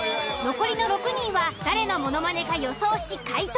残りの６人は誰のものまねか予想し解答。